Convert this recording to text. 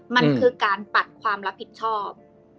มันคือการปัดความรับผิดชอบ